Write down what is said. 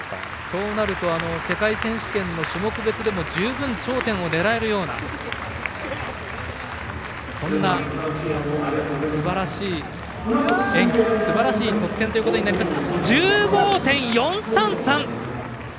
そうなると世界選手権の種目別でも十分、頂点を狙えるようなそんなすばらしい演技すばらしい得点となります。１５．４３３！